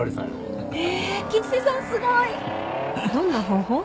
どんな方法？